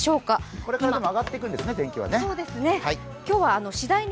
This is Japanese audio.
これから、あがっていくんですね、天気は。